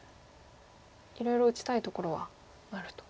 いろいろ打ちたいところはあると。